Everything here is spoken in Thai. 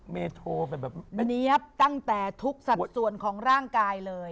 เมโธตั้งแต่ทุกสัตว์ส่วนของร่างกายเลย